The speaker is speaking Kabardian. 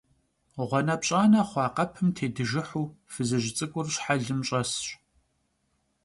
ГъуанэпщӀанэ хъуа къэпым тедыжыхьу фызыжь цӀыкӀур щхьэлым щӀэсщ.